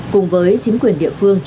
cùng với chính quyền địa phương